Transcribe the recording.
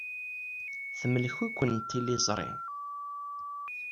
Temlek-iken tliẓri.